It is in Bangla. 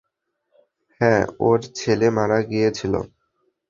হ্যাঁ, ওর ছেলে মারা গিয়েছিল।